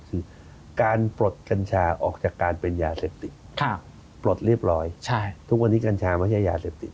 คือการปลดกัญชาออกจากการเป็นยาเสพติดปลดเรียบร้อยทุกวันนี้กัญชาไม่ใช่ยาเสพติด